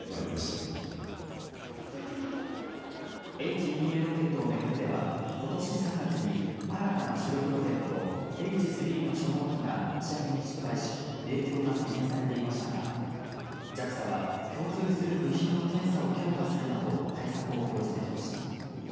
Ｈ２Ａロケットを巡ってはことし３月に新たな主力ロケットＨ３の初号機が打ち上げに失敗し影響が懸念されていましたがＪＡＸＡは共通する部品の検査を強化するなど対策を講じてきました。